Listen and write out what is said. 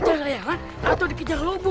atau dikejar lobo